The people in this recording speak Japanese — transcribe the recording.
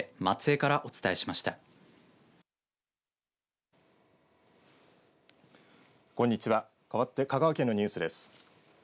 かわって香川県のニュースです。